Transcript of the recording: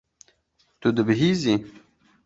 Tu dibihîzî.